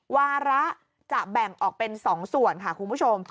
วาระจะแบ่งออกเป็น๒ส่วนค่ะคุณผู้ชม